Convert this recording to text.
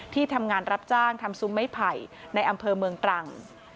ที่ทำงานรับจ้างทำซุ้มไม้ไผ่ในอำเภอเมืองตรัง